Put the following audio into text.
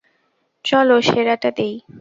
চলো সেরাটা দিই।